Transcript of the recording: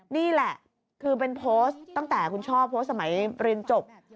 นี่แหละคือเป็นโพสต์ตั้งแต่คุณช่อโพสต์สมัยเรียนจบ